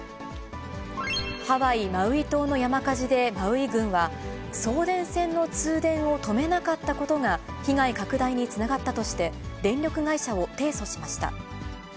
ハワイ・マウイ島の山火事でマウイ郡は、送電線の通電を止めなかったことが被害拡大につながったとして、電力会社を提訴しました。